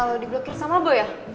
lo di blokir sama boy ya